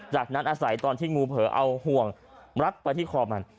จากนั้นอาศัยตอนที่งูเผลอเอาห่วงรัดไปที่คอมัน